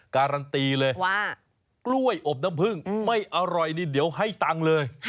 การันตีเลยว่ากล้วยอบน้ำพึ่งไม่อร่อยนี่เดี๋ยวให้ตังค์เลย